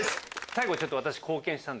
最後ちょっと私。